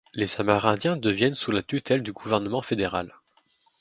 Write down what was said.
Les Amérindiens deviennent sous la tutelle du gouvernement fédéral.